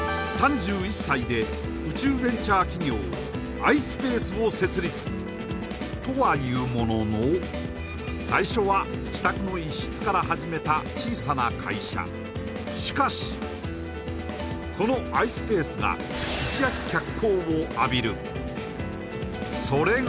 宇宙ベンチャー企業とはいうものの最初は自宅の一室から始めた小さな会社しかしこのｉｓｐａｃｅが一躍脚光を浴びるそれが